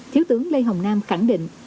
thiếu tướng lê hồng nam khẳng định